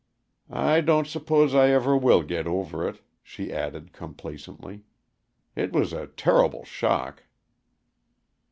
"I don't s'pose I ever will git over it," she added complacently. "It was a turrible shock."